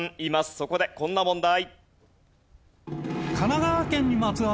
そこでこんな問題。